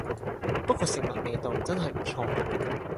不過食物味道都真係唔錯